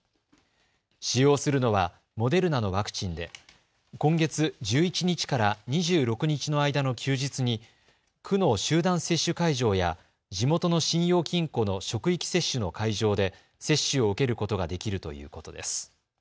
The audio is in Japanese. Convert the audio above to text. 使用するのはモデルナのワクチンで今月１１日から２６日の間の休日に区の集団接種会場や地元の信用金庫の職域接種の会場で接種を受けることができるということです。